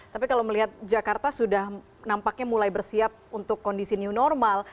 tapi kalau melihat jakarta sudah nampaknya mulai bersiap untuk kondisi new normal